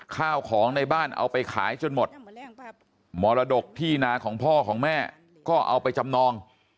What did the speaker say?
ข้าวของในบ้านเอาไปขายจนหมดมรดกที่นาของพ่อของแม่ก็เอาไปจำนอง